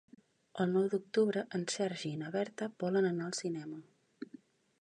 El nou d'octubre en Sergi i na Berta volen anar al cinema.